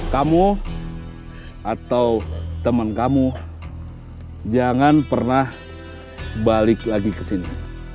kamu atau temen kamu jangan pernah balik lagi kesini